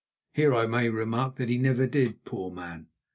Here I may remark that he never did, poor man.